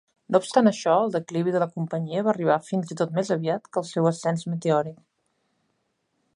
No obstant això, el declivi de la companyia va arribar fins i tot més aviat que el seu ascens meteòric.